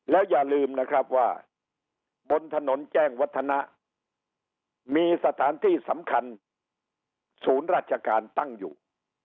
แล้วอย่าลืมนะครับว่าบนถนนแจ้งวัฒนะมีสถานที่สำคัญศูนย์ราชการตั้งอยู่